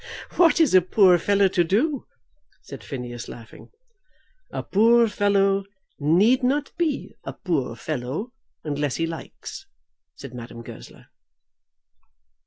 "What is a poor fellow to do?" said Phineas, laughing. "A poor fellow need not be a poor fellow unless he likes," said Madame Goesler.